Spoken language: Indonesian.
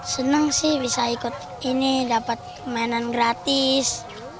senang sih bisa ikut ini dapat mainan gratis